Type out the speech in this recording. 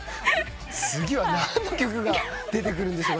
次は何の曲が出てくるんでしょうか？